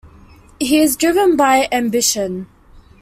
He is driven by ambition.